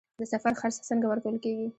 د سفر خرڅ څنګه ورکول کیږي؟